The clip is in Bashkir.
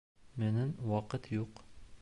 Минең ваҡыт юҡ.